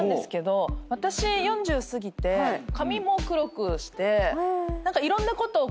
私４０過ぎて髪も黒くして。